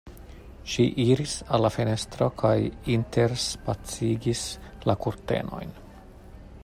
Ŝi iris al la fenestro kaj interspacigis la kurtenojn.